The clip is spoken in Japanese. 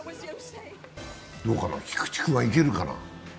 どうかな、菊池君はいけるかな？